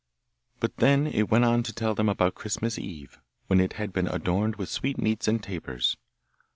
But then it went on to tell them about Christmas Eve, when it had been adorned with sweet meats and tapers.